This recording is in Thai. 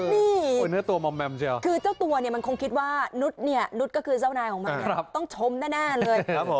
เถ้าตัวมมจ๊าคิดว่านุศคือเจ้าหน่ายของหมาต้องชมแน่เลย